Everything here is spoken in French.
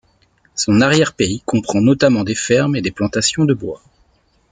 Son arrière-pays comprend notamment des fermes et des plantations de bois.